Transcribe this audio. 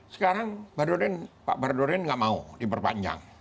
sekarang pak badurin nggak mau diperpanjang